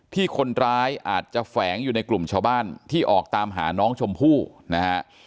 ที่คนร้ายอาจจะแฝงอยู่ในกลุ่มชาวบ้านที่ออกตามหาน้องชมพู่นะฮะ